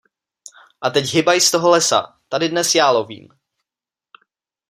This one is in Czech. A teď hybaj z toho lesa, tady dnes já lovím!